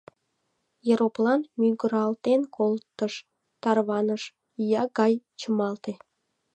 Ероплан мӱгыралтен колтыш, тарваныш, ия гай чымалте.